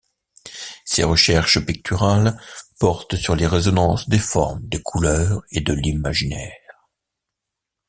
Ses recherches picturales portent sur les résonances des formes, des couleurs, et de l'imaginaire.